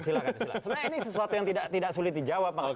sebenarnya ini sesuatu yang tidak sulit dijawab pak